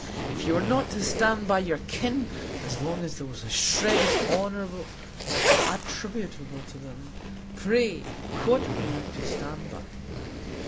If you were not to stand by your "kin" as long as there was a shred of honour attributable to them, pray what were you to stand by?